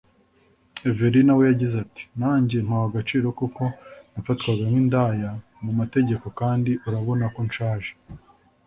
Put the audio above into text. Everina we yagize ati “Nanjye mpawe agaciro kuko nafatwaga nk’indaya mu mategeko kandi urabona ko nshaje